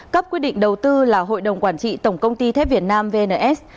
cấp quyết định đầu tư là hội đồng quản trị tổng công ty thép việt nam vns